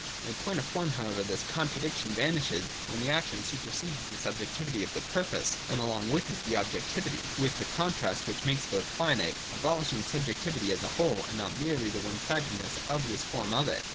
In point of form however this contra diction vanishes when the action supersedes the sub jectivity of the purpose, and along with it the objectivity, with the contrast which makes both finite ; abolish ing subjectivity as a whole and not merely the one sidednesss of this form of it.